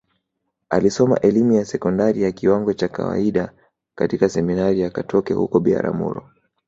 Alisoma elimu ya sekondari ya kiwango cha kawaida katika Seminari ya Katoke huko Biharamulo